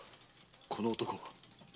この男は？